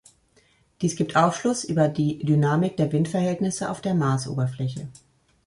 Dies gibt Aufschluss über die Dynamik der Windverhältnisse auf der Marsoberfläche.